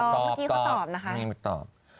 ตอบตอบตอบ